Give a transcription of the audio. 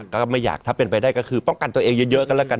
ก็ไม่อยากถ้าเป็นไปได้ก็คือป้องกันตัวเองเยอะก็แล้วกัน